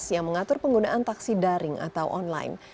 yang mengatur penggunaan taksi daring atau online